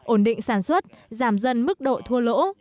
ổn định sản xuất giảm dần mức độ thua lỗ